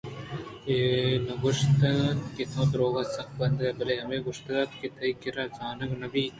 اے نہ گوٛشتگ اَت کہ تو درٛوگ سک بندے بلئے ہمے گوٛشتگ اَت کہ تئی کردار زانگ نہ بیت